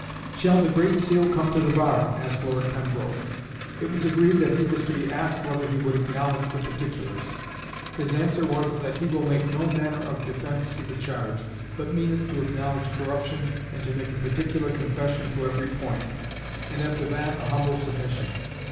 "Shall the Great Seal come to the bar?" asked Lord Pembroke. It was agreed that he was to be asked whether he would acknowledge the particulars. His answer was "that he will make no manner of defence to the charge, but meaneth to acknowledge corruption, and to make a particular confession to every point, and after that a humble submission.